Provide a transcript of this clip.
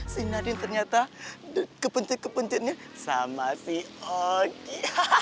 si nading ternyata kepencet kepencetnya sama si oki